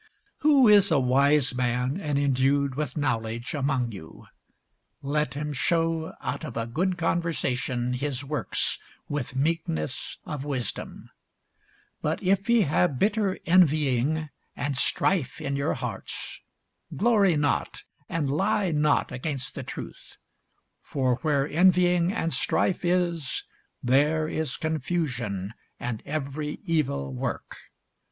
Who is a wise man and endued with knowledge among you? let him shew out of a good conversation his works with meekness of wisdom. But if ye have bitter envying and strife in your hearts, glory not, and lie not against the truth. For where envying and strife is, there is confusion and every evil work.